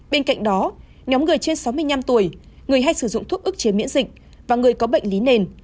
bên cạnh đó nhóm người trên sáu mươi năm tuổi người hay sử dụng thuốc ức chế miễn dịch và người có bệnh lý nền